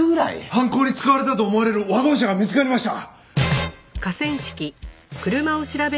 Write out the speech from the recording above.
犯行に使われたと思われるワゴン車が見つかりました！